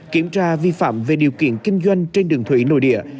kiểm tra vi phạm về điều kiện kinh doanh trên đường thủy nội địa